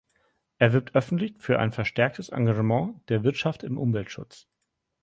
Er wirbt öffentlich für ein verstärktes Engagement der Wirtschaft im Umweltschutz.